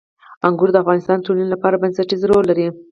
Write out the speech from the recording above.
انګور د افغانستان د ټولنې لپاره بنسټيز رول لري.